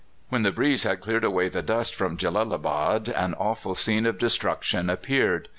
When the breeze had cleared away the dust from Jellalabad an awful scene of destruction appeared.